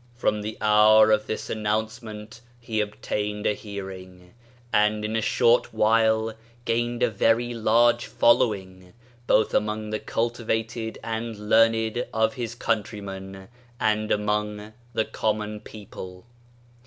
From the hour of this announcement he ob tained a hearing, and in a short while gained a very large following, both among the cultivated and learned of his countrymen, and among the common people.